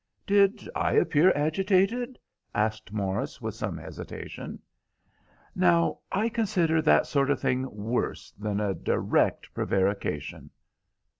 "Did I appear agitated?" asked Morris, with some hesitation. "Now, I consider that sort of thing worse than a direct prevarication."